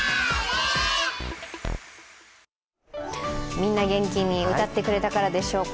みんな元気に歌ってくれたからでしょうか